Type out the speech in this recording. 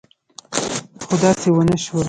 خو داسې ونه شول.